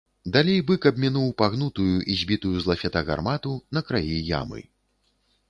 Далей бык абмінуў пагнутую і збітую з лафета гармату на краі ямы.